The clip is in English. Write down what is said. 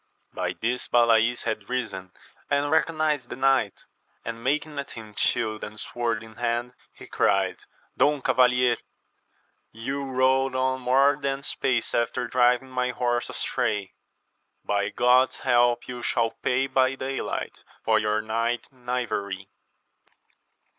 By this Balays had risen and recognized the knight, and making at him shield and sword in hand, he cried, Don Cavalier, you rode on more than apace after driving my horse astray : by Grod's help you shall pay by (\aylight, for your night knavery